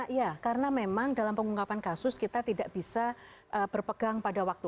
iya karena memang dalam pengungkapan kasus kita tidak bisa berpegang pada waktu